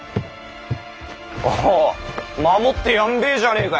おう守ってやんべぇじゃねぇか！